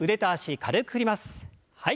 はい。